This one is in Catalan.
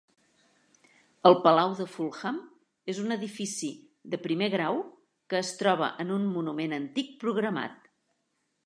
El palau de Fulham és un edifici de primer grau que es troba en un monument antic programat.